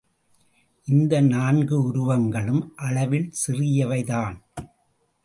இந்த நான்கு உருவங்களும் அளவில் சிறியவைதான்.